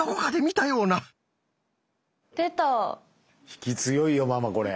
引き強いよママこれ。